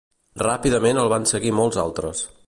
Ràpidament el van seguir molts altres.